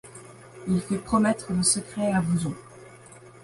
Il fait promettre le secret à Vouzon.